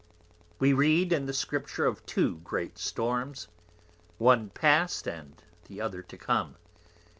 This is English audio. We read in the Scripture of Two Great Storms; One past, and the Other to come.